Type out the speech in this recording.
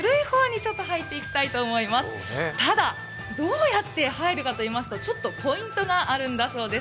ただ、どうやって入るかといいますとポイントがあるんだそうです。